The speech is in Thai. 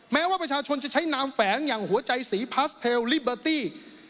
แม้ว่าประชาชนจะใช้นามแฝงอย่างหัวใจสีพาสเทลลิเบอร์ตี้